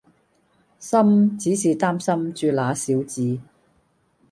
心只是擔心著那小子